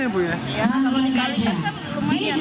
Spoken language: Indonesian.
kalau ikan ikan kan lumayan